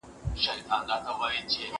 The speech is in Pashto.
له سدیو دا یوه خبره کېږي